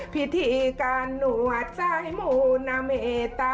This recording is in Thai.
พิธีการหนวดสายหมู่นาเมตตา